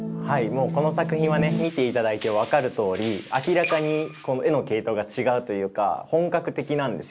もうこの作品はね見て頂いて分かるとおり明らかにこの画の系統が違うというか本格的なんですよね。